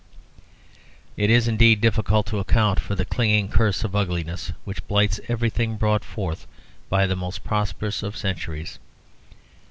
It is indeed difficult to account for the clinging curse of ugliness which blights everything brought forth by the most prosperous of centuries.